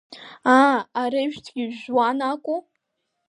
Аа, арыжәтәгьы жәжәуан акәу?